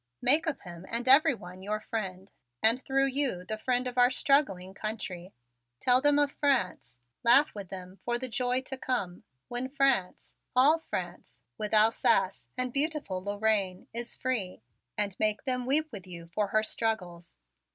Make of him and everyone your friend and through you the friend of our struggling country. Tell them of France, laugh with them for the joy to come when France, all France, with Alsace and beautiful Lorraine, is free; and make them weep with you for her struggles.